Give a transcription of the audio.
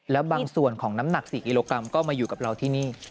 แล้วบางส่วนของน้ำหนัก๔กิโลกรัมก็มาอยู่กับเราที่นี่